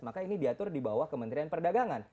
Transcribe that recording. maka ini diatur di bawah kementerian perdagangan